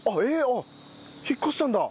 あっ引っ越したんだ。